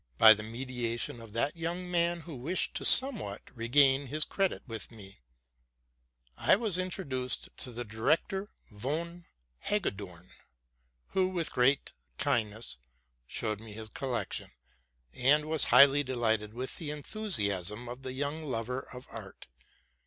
By the mediation of that young man, who wished to somewhat regain his credit with me, I was intro duced to the Director Von Hagedorn, who, with great kind ness, showed me his collection, and was highly delighted with the enthusiasm of the young lover of art.